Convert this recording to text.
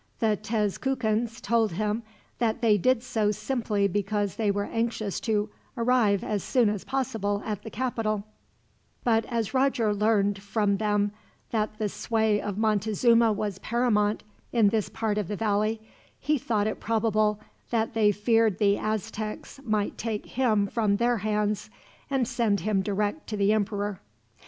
The Tezcucans told him that they did so simply because they were anxious to arrive as soon as possible at the capital; but as Roger learned from them that the sway of Montezuma was paramount in this part of the valley, he thought it probable that they feared the Aztecs might take him from their hands, and send him direct to the emperor.